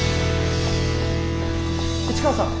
市川さん！